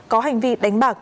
có hành vi đánh bạc